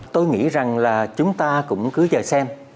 tôi nghĩ rằng là chúng ta cũng cứ giờ xem